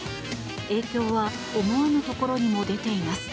影響は思わぬところにも出ています。